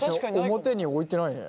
表に置いてないね。